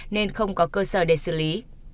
nên không có cơ sở để xử lý